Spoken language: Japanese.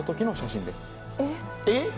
えっ？